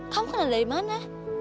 kamu kenal dari mana